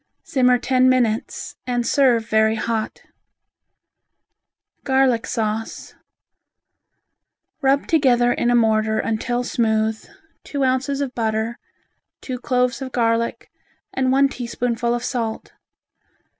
Simmer ten minutes and serve very hot. Garlic Sauce Rub together in a mortar until smooth, two ounces of butter, two cloves of garlic and one teaspoonful of salt.